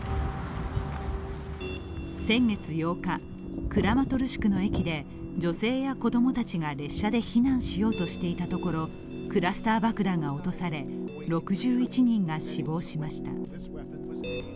先月８日、クラマトルシクの駅で女性や子供たちが列車で避難しようとしていたところクラスター爆弾が落とされ６１人が死亡しました。